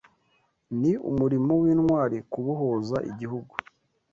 Ni umurimo w’Intwari kubohoza igihugu